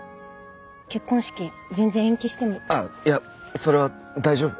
ああいやそれは大丈夫。